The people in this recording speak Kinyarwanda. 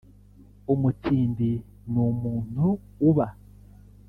Umutindi ni umuntu uba